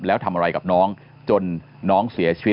แล้วทำอะไรกับน้องจนน้องเสียชีวิต